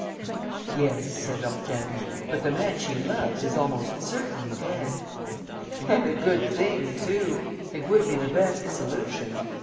"Yes," said Hortense, "but the man she loves is almost certainly dead." "And a good thing too! It would be the best solution.